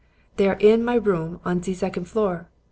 Dey are in my room on ze zecond floor.